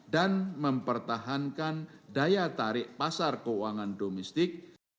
dan mempertahankan daya tarik pasar keuangan domestik